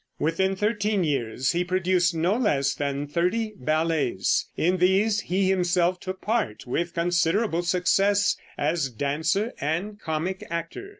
Within thirteen years he produced no less than thirty ballets. In these he himself took part with considerable success as dancer and comic actor.